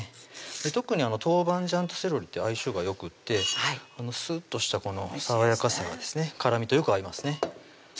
特に豆板醤とセロリって相性がよくってすっとしたこの爽やかさがですね辛みとよく合いますね